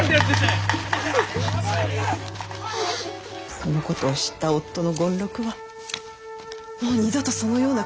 そのことを知った夫の権六はもう二度とそのようなことをさせぬと。